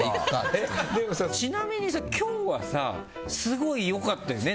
ちなみに今日はさすごい良かったよね。